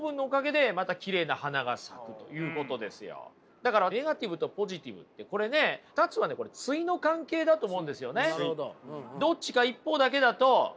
だからネガティブとポジティブってこれね２つは対の関係だと思うんですよね。